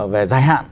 về dài hạn